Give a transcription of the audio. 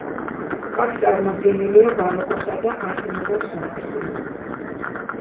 აქ წარმოდგენილია ბაროკოსა და არტ-ნუვოს მიქსი.